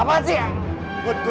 apaan sih ya